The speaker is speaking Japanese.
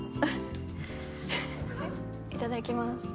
いただきます。